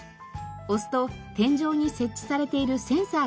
押すと天井に設置されているセンサーが反応します。